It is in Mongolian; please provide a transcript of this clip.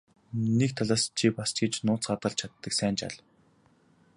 Нэг талаас чи бас ч гэж нууц хадгалж чаддаг сайн жаал.